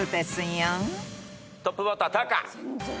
トップバッタータカ。